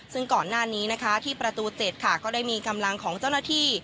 ซึ่งก่อนหน้านี้นะคะที่ประตู๗ค่ะก็ได้มีกำลังของเจ้าหน้าที่